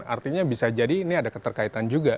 artinya bisa jadi ini ada keterkaitan juga